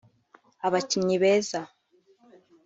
abakinnyi beza